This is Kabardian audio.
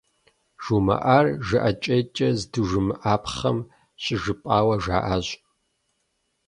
Жумыӏар жыӏэкӏейкӏэ здыжумыӏапхъэм щыжыпӏауэ жаӏащ.